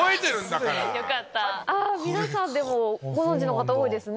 皆さんご存じの方多いですね。